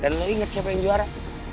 dan lo inget siapa yang juara